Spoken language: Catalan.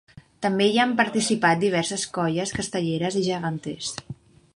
També hi han participat diverses colles castelleres i geganters.